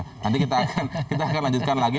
nanti kita akan lanjutkan lagi